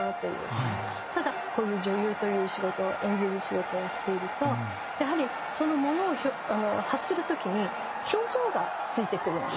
ただこういう女優という仕事演じる仕事をしているとやはりそのものを発する時に表情がついてくるんですよね。